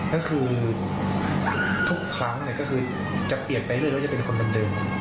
นั่นคือทุกครั้งเนี่ยก็คือจะเปลี่ยนไปเลยหรือจะเป็นคนเหมือนเดิม